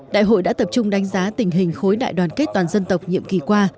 đại hội đã tập trung đánh giá tình hình khối đại đoàn kết toàn dân tộc nhiệm kỳ qua